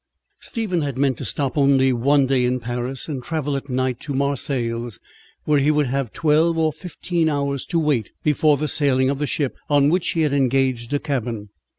III Stephen had meant to stop only one day in Paris, and travel at night to Marseilles, where he would have twelve or fifteen hours to wait before the sailing of the ship on which he had engaged a cabin.